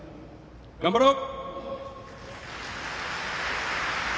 頑張ろう！